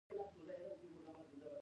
ماده څه شی ده او موږ یې څنګه پیژندلی شو